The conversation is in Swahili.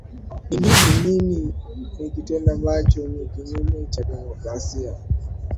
ni ni ni nii nikitendo ambacho ni kinyume cha demokrasia